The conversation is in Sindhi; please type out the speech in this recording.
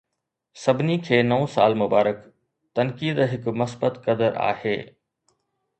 سڀني کي نئون سال مبارڪ! تنقيد هڪ مثبت قدر آهي.